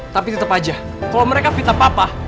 tapi tetap aja kalau mereka fitnah papa